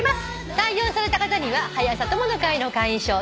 採用された方には「はや朝友の会」の会員証そして。